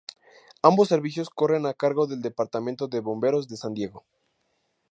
Ambos servicios corren a cargo del Departamento de Bomberos de San Diego.